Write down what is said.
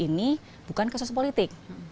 ini bukan kasus politik